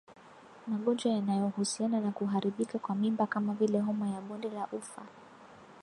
Magonjwa yanayohusiana na kuharibika kwa mimba kama vile Homa ya bonde la ufa